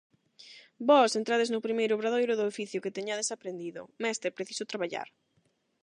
Vós entrades no primeiro obradoiro do oficio que teñades aprendido: "Mestre, preciso traballar".